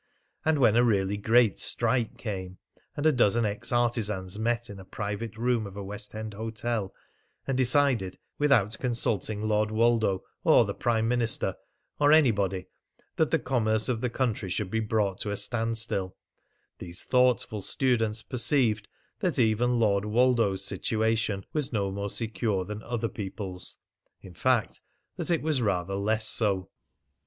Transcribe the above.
And when a really great strike came, and a dozen ex artisans met in a private room of a West End hotel and decided, without consulting Lord Woldo, or the Prime Minister, or anybody, that the commerce of the country should be brought to a standstill, these thoughtful students perceived that even Lord Woldo's situation was no more secure than other people's; in fact, that it was rather less so.